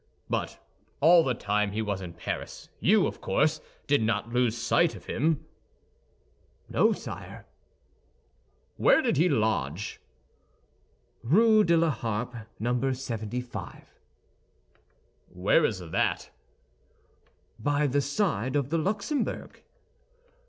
But all the time he was in Paris, you, of course, did not lose sight of him?" "No, sire." "Where did he lodge?" "Rue de la Harpe. No. 75." "Where is that?" "By the side of the Luxembourg."